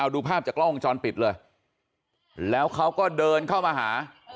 ดูภาพจากกล้องวงจรปิดเลยแล้วเขาก็เดินเข้ามาหา